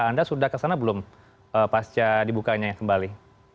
anda sudah ke sana belum pasca dibukanya kembali